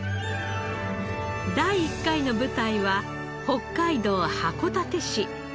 第１回の舞台は北海道函館市。